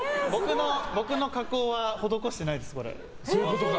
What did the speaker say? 僕の加工は施してないです。